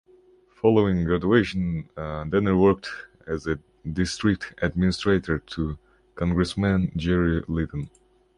Following graduation, Danner worked as district administrator to Congressman Jerry Litton.